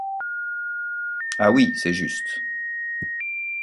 Ah, oui, c’est juste.